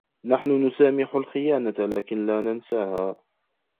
نحن نسامح الخيانة لكن لا ننساها.